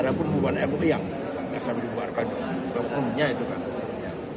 ada pun bubuan mui yang tidak sampai dibuat arpada